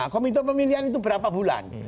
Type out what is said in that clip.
komite pemilihan itu berapa bulan